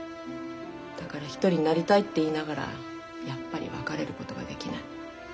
だから１人になりたいって言いながらやっぱり別れることができない。